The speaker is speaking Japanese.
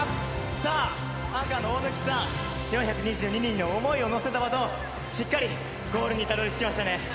さあ、アンカーの大貫さん、４２２人の思いを載せたバトン、しっかりゴールにたどりつきまし